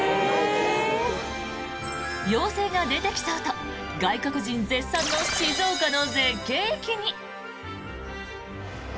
妖精が出てきそうと外国人絶賛の静岡の絶景駅に。